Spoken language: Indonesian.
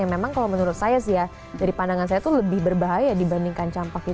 yang memang kalau menurut saya sih ya dari pandangan saya tuh lebih berbahaya dibandingkan campak gitu